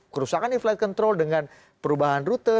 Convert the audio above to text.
kerusakan flight control dengan perubahan rute